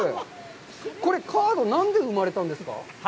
これ、カード、何で生まれたんですか。